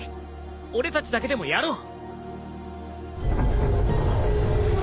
俺たちだけでもやろう。